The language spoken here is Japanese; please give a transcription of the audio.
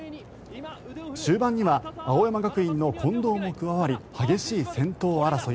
終盤には青山学院の近藤も加わり激しい先頭争い。